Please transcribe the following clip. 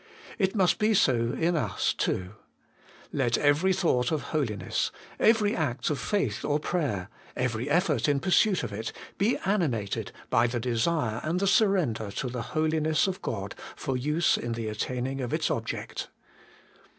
It must be so in us too. Le*~ every thought of holi 240 HOLY IN CHRIST. ness, every act of faith or prayer, every effort in pursuit of it, be animated by the desire and the surrender to the Holiness of God for use in the attaining of its object.